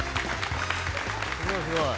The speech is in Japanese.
すごいすごい。